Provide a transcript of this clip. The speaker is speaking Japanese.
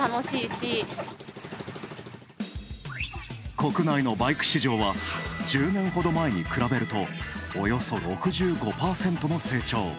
国内のバイク市場は１０年ほど前に比べるとおよそ６５％も成長。